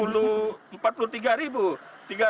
sekitar dua puluh empat puluh tiga